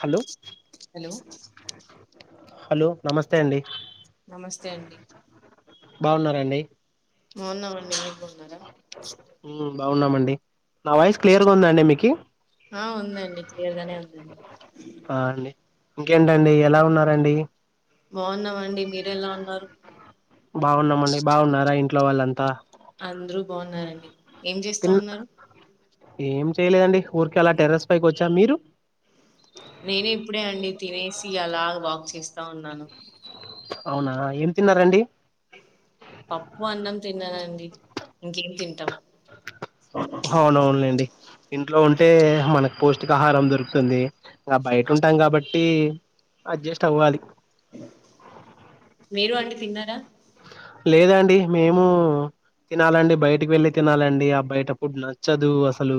Hello hello hello నమస్తే అండి నమస్తే అండి బాగున్నారా అండి బాగున్నామండి మీరు బాగున్నారా ఉమ్ బాగున్నామండి నా వాయిస్ క్లియర్గా ఉందా అండి మీకి ఆ ఉందండి క్లియర్ గానే ఉందండి ఆ అండి ఇంకేంటండి ఎలా ఉన్నారండి బాగున్నామండి మీరు ఎలా ఉన్నారు బాగున్నామండి బాగున్నారా ఇంట్లో వాళ్లాంతా అందరూ బాగున్నారండి ఏం చేస్తా తిన్ ఉన్నారు ఏం చేయలేదండి ఊరికే అలా టెర్రస్ పైకి వచ్చా మీరు నేను ఇప్పుడే అండి తినేసి అలా వాక్ చేస్తా ఉన్నాను అవునా ఏం తిన్నారండి పప్పు అన్నం తిన్నానండి ఇంకేం తింటాం అవునవునులేండి ఇంట్లో ఉంటే మనకు పౌష్టికాహారం దొరుకుతుంది ఇగ బయట ఉంటాం అవును కాబట్టి అడ్జస్ట్ అవ్వాలి ఉహూ మీరు అండి తిన్నారా లేదండి మేము తినాలండి బయటకి వెళ్లి తినాలండి ఆ బయట ఫుడ్ నచ్చదు అసలు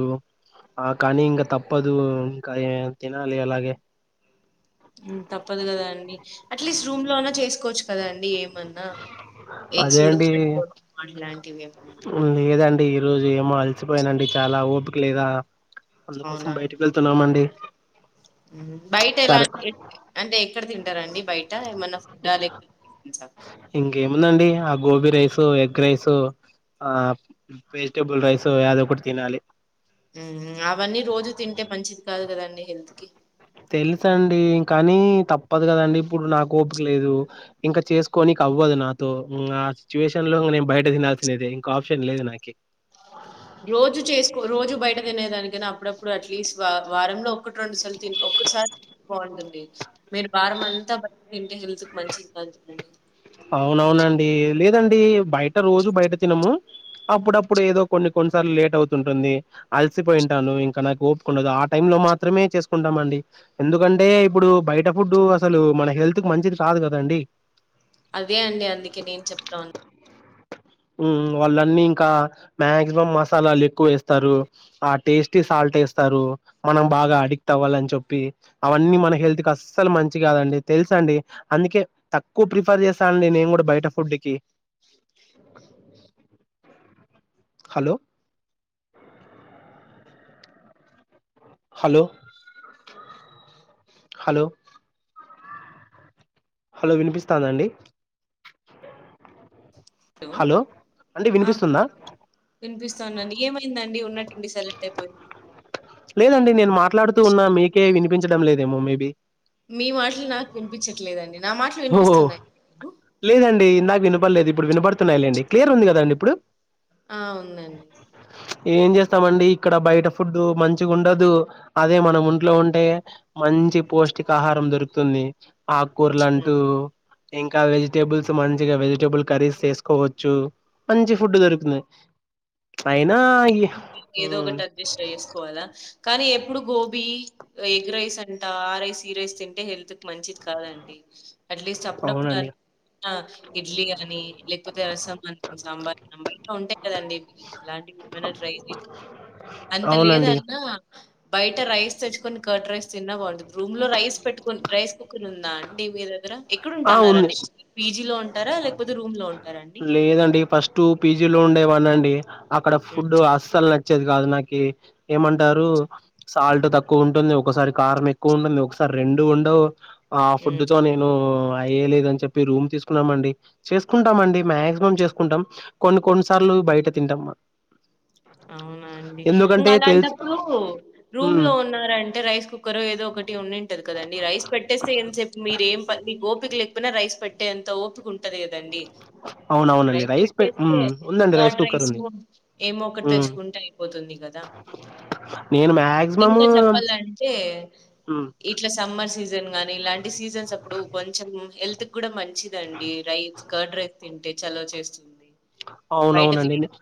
ఆ కానీ ఇంకా తప్పదు ఇంకా తినాలి అలాగే ఉమ్ తప్పదు కదా అండి అట్లీస్ట్ రూమ్ లో అన్నా చేసుకోవచ్చు కదా అండి ఏ మన్నా ఎగ్స్ ఉడకబెట్టుకోవడం అట్లా ఉంది కదా అండి ఈ రోజు ఏమో అలసిపోయానండి చాలా ఓపిక లేదా అందుకోసం బయటికి వెళ్తున్నామండి ఉహూ బయట ఎలా సరే అంటే ఎక్కడ తిం టారండి బయట ఏమన్నా ఫుడ్డా లేకపోతే టిఫిన్స్ గోబి రైసో ఎగ్ రైసో ఆ వెజిటేబుల్ రైసో యాదో ఒకటి తినాలి ఉహూ అవన్నీ రోజు తింటే మంచిది కాదు కదండి హెల్త్ కి తెలుసు అండి కానీ తప్పదు కదండి ఇప్పుడు నాకు ఓపిక లేదు ఇంకా చేసుకోనికే అవ్వదు నాతో ఉమ్ ఆ సిచ్యువేషన్ లో ఇంగ నేను బయట తినాల్సినదే ఇంకో ఆప్షన్ లేదు నాకి రోజు చేసుకో రోజు బయట తినే దానికన్నా అప్పుడప్పుడు అట్లీస్ట్ వా వారంలో ఒక్కట్ రెండుసార్లు తిం ఒక్కసారి బాగుంటుంది మీరు వారం అంతా బయట తింటే హెల్త్ కు మంచిది కాదు కదా అండి అవునవునండి లేదండి బయట రోజు బయట తినము అప్పుడప్పుడు ఏదో కొన్ని కొ న్ని సార్లు లేట్ అవుతుంటుంది అలిసిపోయింటాను ఇంకా నాకు ఓ ఉండదు ఆ టైం లో మాత్రమే చేసుకుంటాం అండి ఎందుకంటే ఇప్పుడు బయట ఫుడ్ అసలు మన హెల్త్ కు మంచిది కాదు కద అండి అదే అండి అందుకే నేను చెప్తోంది ఉమ్ వాళ్లన్నీ ఇంకా మాక్సిమం మసాలాలు ఎక్కువ వేస్తారు ఆ టేస్టీ సాల్ట్ ఏస్తారు మనం బాగా అడిక్ట్ అవ్వాలని చెప్పి అవన్నీ మన హెల్త్ కి అస్సలు మంచి కాదండి తెలుసండి అందుకే తక్కువ ప్రిఫర్ చేస్తా అండి నేను కూడా బయట ఫుడ్ కి హలో హలో హలో హలో వినిపిస్తాందా అండి హలో అండి వినిపిస్తుందా వినిపిస్తోంది అండి ఏమైందండి ఉన్నట్టుండి సైలెంట్ అయిపో లేదండి నేను మాట్లాడుతూ ఉన్నా మీకే వినిపించడం లేదేమో మేబీ మీ మాటలు నాకు వినిపించట్లేదండి నా మాట్లు ఓహో వినిపిస్తున్నాయ అండి మీకు లేదండి ఇందాక వినపల్లేదు ఇప్పుడు వినపడుతున్నాయ్ లేండి క్లియర్ ఉంది కదా అండి ఇప్పుడు ఆ ఉందండి ఏం జేస్తామండి ఇక్కడ బయట ఫుడ్డు మంచిగుండదు అదే మన వుంట్లో ఉంటే మంచిగ్ పోష్టికాహారం దొరుకుతుంది ఆక్ అ ఇంకా వెజిటేబుల్స్ మంచిగా వెజిటేబుల్ కర్రీస్ చేసుకోవచ్చు మంచి ఫుడ్ దొరుకుతుంది పైన్ ఏదో ఒకటి అడ్జస్ట్ చేసుకోవాలా కానీ ఎప్పుడు గోబీ ఎగ్ రైస్ అంట ఆ రైస్ ఈ రైస్ తింటే హెల్త్ మంచిది కాదండి అట్లీస్ట్ అప్పుడప్పుడు అవునండి అన్నా ఇడ్లీ గాని లేకపోతే రసం గాని సాంబార్ ఉంటాయి కదండి అలాంటివి ఏమైనా ట్రై జేయండి అంత అవునండి లేదన్నా బయట రైస్ తెచ్చుకొ ని కర్డ్ రైస్ తిన్నా బాగుంటుంది రూమ్ లో రైస్ పెట్టుకు రైస్ కుక్కర్ ఉందా అండి మీ దగ్గర ఎక్కడ ఆ ఉంది ఉంటున్నారండి పీజీ లో ఉంటారా లేకపోతే రూమ్ లో ఉం లేదండి ఫస్ట్ పీజీ లో ఉండేవాన్నండి అక్కడ ఫుడ్ హ్మ్ అస్సల్ నచ్చేది కాదు నాకి ఏమంటారు సాల్ట్ తక్కువ ఉంటుంది ఒకసారి కారం ఎక్కువ ఉంటుంది ఒకసారి రెండు ఉండవ్ ఆ ఫుడ్డు హ్మ్ తో నేను అయ్యే లేదని చెప్పి రూమ్ తీసుకున్నామండి చేసుకుంటామండి మాక్సిమం చేసుకుంటాం కొన్ని కొన్నిసార్లు బయట తింటాంమా అవునా అండి ఇంగ అలాంటప్పుడు రూమ్ మ్మ్ లో ఉన్నారంటే రైస్ కుక్కరో ఏదో ఒక ఒకటి ఉన్నింటది కదండి రైస్ పెట్టేస్తే ఏంత్ సేపు మీరు ఏం పని మీకు ఓ పిక లేకపోయినా రైస్ పెట్టే అంత ఓపిక ఉంటది కదండి అవునవునండి రైస్ పె మ్మ్ పెట్టేస్తే ఉందండి రైస్ కర్డ్ కుక్కర్ ఉంది రైసో ఏమొ ఒకటి మ్మ్ తెచ్చుకుంటే అయిపోతుంది కదా నేను మాక్సిమము ఇంకా చెప్పాలంటే మ్మ్ ఇట్లా సమ్మర్ సీజ్ జన్ గానీ ఇలాంటి సీజన్స్ అప్పుడు కొంచెం హెల్త్ కూడా మం మంచిదండి రైస్ కర్డ్ రైస్ తింటే చలవ చేస్తుంది బయట అవునవునండి తినడం.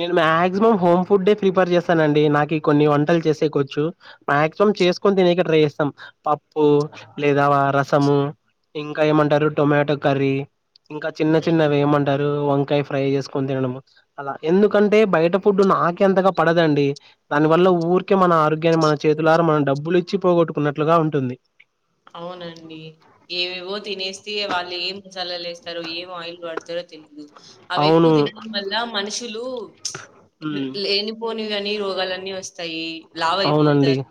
నేను మ్యా క్సిమం హోమ్ ఫుడ్డే ప్రిఫర్ చేస్తానండి నాకి కొన్ని వంటలు చేసేకోచ్చు మ్యాక్సిమం చేసుకొని తినేకె చేస్తాం పప్పు లేదా రసము ఇంకా ఏమంటారు టొమాటో కర్రీ ఇంకా చిన్న హ్మ్. చిన్నవి ఏమంటారు వం కాయ్ ఫ్రై ఏసుకొని తినడము అలా ఎందుకంటే బయట ఫుడ్డు నాకి అంతగా పడదండి దానివల్ల ఊరికే మన ఆరోగ్యాన్ని మన చేతులార మనం డబ్బులు ఇచ్చి పోగొట్టుకున్నట్లుగా ఉంటుంది అవునండి ఏవేవో తినేస్తే వాళ్ళు ఏం మసాలాలు ఏస్తారొ ఏం ఆయిల్ వాడతారో తెలీదు అవి ఎక్కువ అవును తినడం వల్ల మనుషులు హ్మ్. లేనిపోనివి అని రోగాలన్నీ వస్తాయి లావు అవునండి అయిపోతారు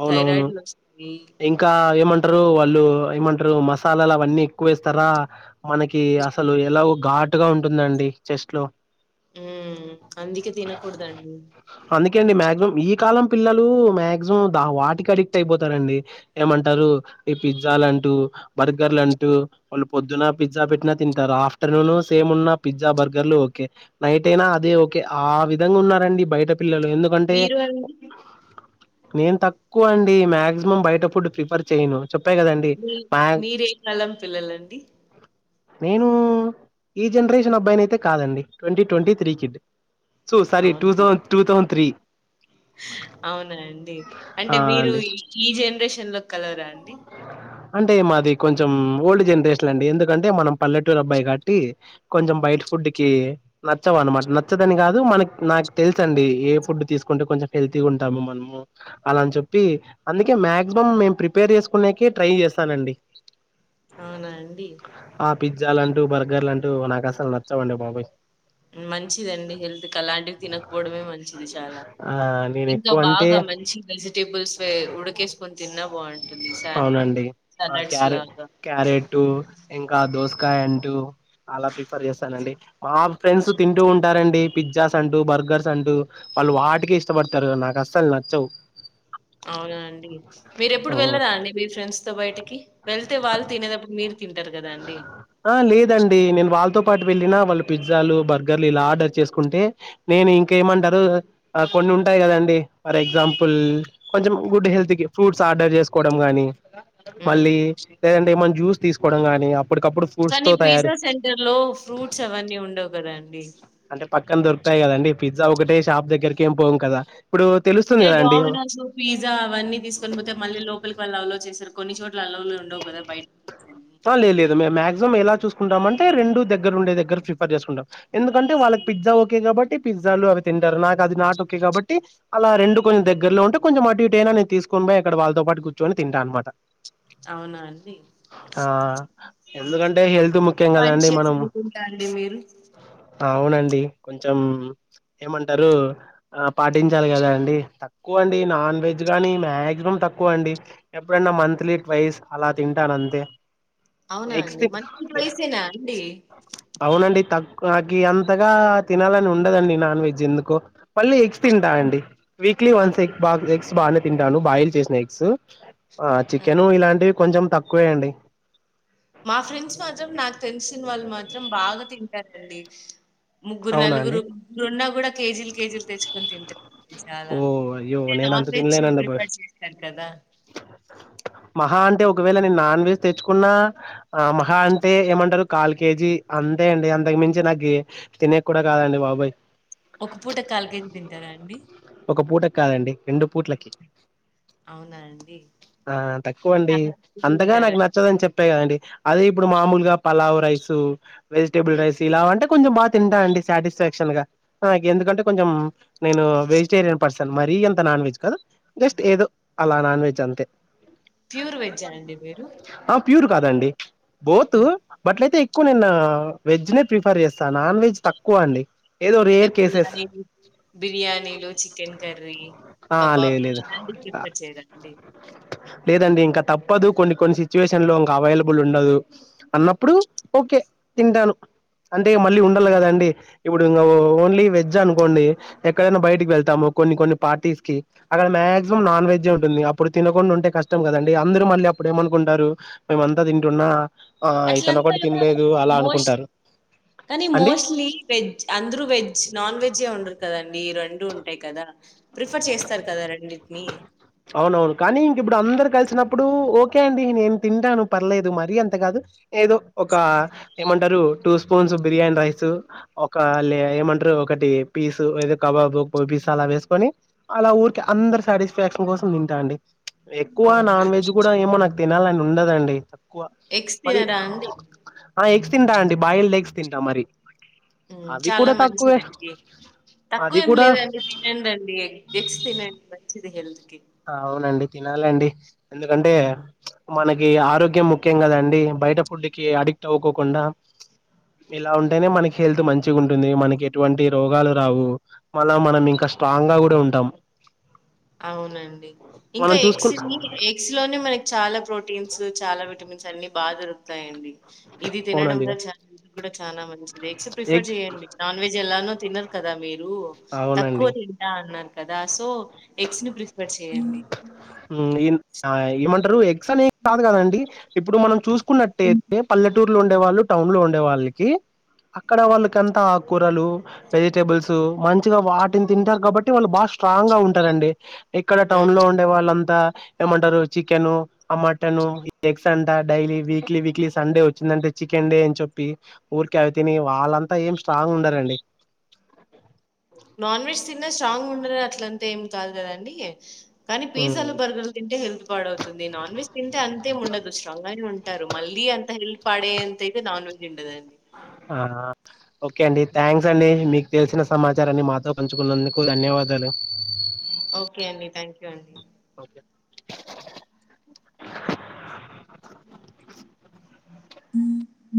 అవునవును థైరాయిడ్ వస్తుంది ఇంకా ఏమంటారు వాళ్ళు ఏమంటారు మసాలాలు అవన్నీ ఎక్కువ వేస్తారా మనకి హ్మ్. అసలు ఎలాగో ఘాటుగా ఉంటుందండి చెస్ట్ లో ఉ అందుకే తినకూడదండి అందుకే అండి మాక్సిమం ఈ కాలం పిల్లలు మాక్సిమం ద వాటికి అడిక్ట్ అయిపోతారండి ఏమంటారు ఈ పిజ్జాలంటు బర్గర్లంటూ వాళ్ళు పొద్దున పిజ్జా పెట్టిన త తింటారు ఆఫ్టర్నూను సేమ్ ఉన్న పిజ్జా బర్గర్లు ఓకే నైట్ అయినా అదే ఓకే ఆ విధంగా ఉన్నార బయట పిల్లలు ఎందుకంటే మీరు అండి? నేను తక్కువ అండి మాక్సిమం బయట ఫుడ్ ప్రిఫర్ చేయను చెప్పాకదండి మీ మ్యా మీరే కాలం పిల్లలండి? నేను ఈ జనరేషన్ అబ్బాయిని అయితే కాదండి twenty twenty three kid so sorry two అవును. థౌండ్ టూథౌసండ్ త్రీ అవునా అండి ఆ అంటే మీరు అండి ఈ జనరేషన్ లో కలవరా అండి అంటే మాది కొంచెం ఓల్డ్ జనరేషన్ అండి ఎందుకంటే మనం పల్లెటూరు అబ్బాయి కాబట్టి కొంచెం బయట ఫుడ్ కి నచ్చవు అనమాట నచ్చదని కాదు మనకు నాకు తెలుస అండి ఏ ఫుడ్ తీసుకుంటే కొంచెం హెల్త్ తింటాము మనము అలాని చెప్పి అందుకే మాక్సిమం మేం ప్రిప ప్రిపేర్ చేసుకునేనికి ట్రై చేస్తానండి అవునా అండి ఆ పిజ్జాలంటూ బర్గర్ అంటూ నాకు అసలు నచ్చవండి బాబోయ్ మంచిదండి హెల్త్ కలాంటివి తినకపోవడమే మంచిది చాలా ఆ నేను ఇంకా ఎక్కువ అంటే బాగా మంచి వెజిటేబుల్స్ ఉడికేసుకొని తిన్నా బాగుంది అవునండి ఆ క్యారె లాగా క్యారెట్ ఇంకా దోసకాయ అంటూ అలా ప్రిఫర్ చేస్తానండి మా ఫ్రెండ్స్ తింటూ ఉంటారండి పిజ్జాస్ అంటూ బర్గర్స్ అంటూ వాళ్ళు వాటికిే ఇష్టపడతారు నాకు అస్సలు నచ్చవు అవునా అండి మీరు ఎప్పుడు ఆ వెళ్ళరా అండి మీ ఫ్రెండ్స్ తో బయటకి వెళ్తే వాళ్ళు తినేటప్పుడు మీరు తింటారు కదా అండి ఆ అండి నేను వాళ్ళతో పాటు వెళ్ళిన వాళ్ళు పిజ్జాలు బర్గర్లు ఇలా ఆర్డర్ చేసుకుంటే నేను ఇంకే మన్నా కొన్ని ఉంటాయి కదండి ఫర్ ఎగ్జాంపుల్ కొంచెం గుడ్ హెల్త్కి ఫ్రూట్స్ ఆర్డర్ చే తీసుకోవడం కాని హ్మ్ మళ్ళీ లేదంటే మళ్ళీ జ్యూస్ తీసుకోవడం కాని కానీ పిజ్జా సెంటర్ లో ఫ్రూట్స్ అవన్నీ ఉండవు కదా అండి అంటే పక్కన దొరుకుతాయి కదండి పిజ్జ ఒకే షాప్ దగ్గరికేం పోము కదా ఇప్పుడు తెలుస్తుంది ఏ కదండి ఆ డామినోస్ పిజా అన్నీ తీసుకొని పోతే మళ్ళీ లోపలికి వాళ్ళు అలో చేశారు కొన్ని చోట్ల అల్లోలు ఉండవు కదా బయట ఫుడ్ అని [unintelligible] లేదు మేం మాక్సిమ్ ఎలా చూసుకుంటాం అంటే రెండు దగ్గర ఉండే దగ్గర ప్రిఫర్ చేసుకుంటాం ఎందుకంటే వాళ్ళకి పిజ్జా ఓకె కాబట్టి పిజ్జా అవి తింటార్ నాకు అది నాట్ ఒకే కాబట్టి అలా రెండు కొెంచెం దగ్గరలో ఉంటే కొెంచెం అటు ఇటు అయినా నేను తీసుకొని పోయి అక్కడ వాళ్ళతో పాటు కూర్చొని తింటా అనమాట అవునా అండి ఆ ఎందుకంటే హెల్త్ ముఖ్యం మంచి కదండి చేసి మనం అనుకుంటా అండి మీరు అవునండి కొంచెం ఏమంటారు పాటించాలి కదా అండి తక్కువ నండి నాన్ వెజ్ కానీ మాక్సిమం తక్కువ అండి ఎప్పుడన్నా మంత్లీ ట్వైస్ అలా తింటాను అంతే అవునా అండి? ఎక్స్పీ మంచి చాయిసేనా అండి? అవునండి త నాకి అంతగా తినాలని ఉండదండి నాన్ వెజ్ ఎందుకో మళ్ళీ ఎగ్స్ తింటా అవునా? అండి వీక్లీ వన్స్ ఓకే. ఎగ్ బా ఎగ్స్ బాగా తింటాను బాయిల్ చేసిన ఎగ్స్ సో ఆ చికెను ఇలాంటివి కొంచెం తక్కువే అండి మా ఫ్రెండ్స్ మాత్రం నాకు తెలిసిన వాళ్ళు మాత్రం బాగా తింటారండి ముగ్గురు అవునా నలుగురు అండి ముగ్గురు ఉన్నా కూడా కేజీలు కేజీలు తెచ్చుకొని తింటారు ఓ అయ్యో నేను అంత వెజ్ తినలేదండి ప్రిఫర్ చేస్తారు కదా! మహా అంటే ఒక ఒకవేళ నేన్ నన్వెజ్ తెచ్చుకున్నా మహా అంటే ఏమంటారు కాల్ కేజీ అంతే అండి అంత మించి నాకు తినేకి కుడా కాదండి బాబాయ్ ఒక పూట కాలు కేజీ తింటారా అండి ఒక పూటకి కాదండి రెండు పూట్లకి అవునా అండి? ఆ తక్కువండి చాలా తక్కువ అంతగా నాకు తింటారండి. నచ్చదని చెప్పేయండి అదే ఇప్పుడు మామూలుగా పలావ్ రైస్ వెజిటేబుల్ హ్మ్. రైస్ ఇలా అంటే కొంచెం బాగా తింటాను అండి సాటిస్ఫాక్షన్ గా ఎందుకంటే కొంచెం నేను వే రియన్ పర్సన్ మరీ ఎంత నాన్ వెజ్ కద జస్ట్ ఏదో అలా నాన్ వెజ్ అంతే ప్యూర్ వెజ్జా అండి మీరు ఆ ప్యూర్ కాదండి బోత్ ఆ! బట్లయితే నిన్న వెజ్ నే ప్రిఫర్ చేస్తాను నాన్ వెజ్ తక్కువ అండి ఏదో అంటే రేర్ కేసెస్ బిర్యానీ బిర్యాని మీరు చికెన్ కర్రీ ఆ లేదు లేదు కబాబిలాంటి ప్రిపేర్ చేయరాండి లేదండి ఇంకా తప్పదు కొన్ని కొన్ని సిచ్యువేషన్ లో ఇంకా అవైలబుల్ ఉండదు అన్నప్పుడు ఓకే తింటను అంటే మళ్ళీ ఉండాలి కదండి ఇప్పుడు ఇం ఓన్లీ వెజ్ అనుకోండి ఎక్కడైనా బయట వెళ్తాము కొన్ని కొన్ని పార్టీస్ కి అక్కడ మాక్సిమం నాన్ వెజ్ ఉంటుంది అప్పుడు తినకుండా ఉంటే కష్టం కదండి అందరూ మళ్ళీ అప్పుడేమనుకుంటారు మేమంతా తింటున్నా ఆ ఇతను అట్లంతా ఒకటి తినలేదు అలా మోస్ట్ అనుకుంటారు కానీ అండి? మోస్ట్లీ వెజ్ అందరు వెజ్ నాన్ వెజే ఉండరు కదండి రెండు డు ఉంటాయి కదా ప్రిఫర్ చేస్తారు కదా రెండింటిని అవునవును కానీ ఇంక ఇప్పుడు అందరు కలిసినప్పుడు ఓకే అండి నేను తింటాను పర్లేదు మరీ అంత కాదు ఏదో ఒక ఏమంటారు టూ స్పూన్స్ బిర్యానీ రైస్ ఒక లే ఏమంటారు ఒకటి పీస్ లేదో కబాబ్ పీస్ ఆలా వేసుకుని ఆల ఊరికె అందరూ సాటిస్ఫాక్షన్ కోసం తింటా అండి ఎక్కువ నాన్ అవునండి. వెజ్ కూడా ఏమో నాకు తినాలని ఉండదండి ఎగ్స్ మళ్ళ తినరా అండి? ఆ ఎగ్స్ తింటా అండి బాయిల్ ఎగ్స్ తింటా మరి అవి చాలా కూడా తక్కువే. మంచిది అండి తక్కువ అది ఏం కూడా లేదండి తినడిఅండి ఎగ్స్ తినండి మంచిది హెల్త్ కి అవునండి తినాలండి ఎందుకంటే మనకి ఆరోగ్యం ముఖ్యం కదండి బయట ఫుడ్కి అడిక్ట్ అవుకోకుండా ఇలా ఉంటేనే మనకి హెల్త్ మంచిగా ఉంటుంది మనకి ఎటువంటి రోగాలు రావు మళ్ళ మనం ఇంకా స్ట్రాంగ్ గా కూడా ఉంటాం అవునండి. ఇంకా మనం చూసుకు ఎక్స్ ని ఎక్స్ లోనే మన చాలా ప్రోటీన్స్ చాలా విటమిన్స్ అన్ని బాగా దొరుకుతాయండి ఇది తినడం అవునండి వల్ల చ ఇది కూడా చాలా మంచిది ఎక్స ప్రిఫర్ ఎగ్ చేయండి నాన్ వెజ్ ఎలానో తినరు కదా మీరు తక్కువ అవునండి తింటా అన్నారు కదా సో ఎగ్స్ ను ప్రిఫర్ చేయండి మంటారు ఎక్స అన్ ఏ కాదు కదండి ఇప్పుడు మనం చూసుకున్నట్టయితే పల్లెటూరు లో ఉండే వాళ్ళు టౌన్ లో ఉండే వాళ్ళకి అక్కడ వాళ్ళకంతా ఆకుకూరలు వెజిటబుల్స్ మంచిగా వాటిని తింటారు కాబట్టి వాళ్ళు బాగా స్ట్రాంగ్ గా ఉంటారండి ఇక్కడ టౌన్ లో హ్మ్. ఉండే వాళ్ళంతా ఏమంటారు చికెన్ ఆ మటన్ ఎగ్స్ అంట డైలీ వీక్లీ వీక్లీ సండే వచ్చిందంటే చికెండే అని చెప్పి ఊరికా అవి తిని వాళ్ళంతా ఏం స్ట్రాంగ్ ఉండారండి నాన్ వెజ్ తిన్న స్ట్రాంగ్ ఉండదు అట్లంతా ఏం కాదు కదండి కానీ హ్మ్ పిజ్జలు బర్గర్లు తింటే హెల్త్ పడవుతుంది నాన్ వెెజ్ తింటే అంతే ఉండదు స్ట్రాంగ్ గానే ఉంటారు మళ్ళీ అంత హెల్ప్ పడే అంత ఇతే నాన్ వెజ్ ఉండదది ఆ ఓకే అండి థ్యాంక్స్ అండి మీకు తెలిసిన సమాచారాన్ని మాతో పంచుకున్నందుకు ధన్యవాదాలు ఓకే అండి థ్యాంక్ యూ అండి [inaudible] [unintelligible] హ్మ్మ్ హ్మ్